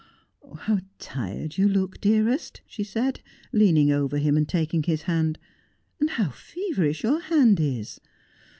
' How tired you look, dearest,' she said, leaning over him and taking his hand, ' and how feverish your hand is